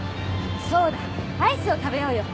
そうだアイスを食べようよ。